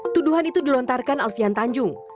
tuduhan itu dilontarkan alfian tanjung